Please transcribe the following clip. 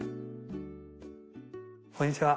こんにちは。